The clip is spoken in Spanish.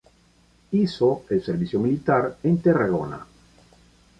Hizo el servicio militar en Tarragona.